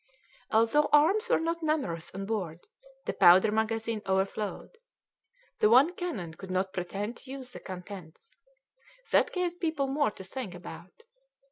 Although arms were not numerous on board, the powder magazine overflowed. The one cannon could not pretend to use the contents. That gave people more to think about.